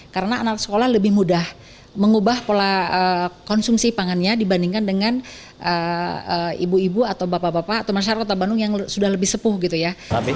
karena anak anak sekolah lebih mudah mengubah pola konsumsi pangannya dibandingkan dengan ibu ibu atau bapak bapak atau masyarakat kota bandung yang sudah lebih sepuh gitu ya